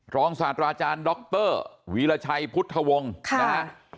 รองศาสตราอาจารย์ด็อกเตอร์วีลชัยพุทธวงศ์ค่ะ